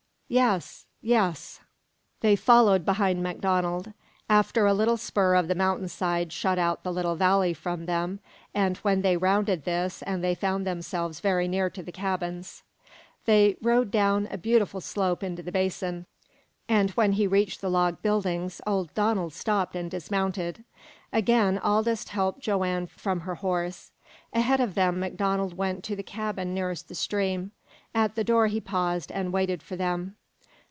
"Yes yes!" They followed behind MacDonald. After a little a spur of the mountain side shut out the little valley from them, and when they rounded this they found themselves very near to the cabins. They rode down a beautiful slope into the basin, and when he reached the log buildings old Donald stopped and dismounted. Again Aldous helped Joanne from her horse. Ahead of them MacDonald went to the cabin nearest the stream. At the door he paused and waited for them.